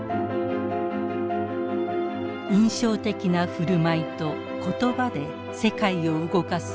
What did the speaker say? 印象的な振る舞いと言葉で世界を動かすソフトパワー。